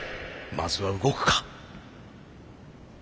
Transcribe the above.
まずは動くか。